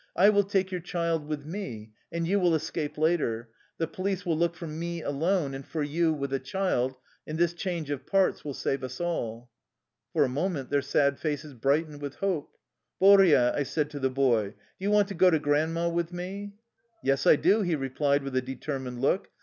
"I will take your child with me, and you will escape later. The police will look for me alone and for you with a childj and this change of parts will save us all." For a moment their sad faces brightened with hope. " Boria/' I said to the boy, " do you want to go to Grandma with me? '' "Yes, I do,'' he replied with a determined look.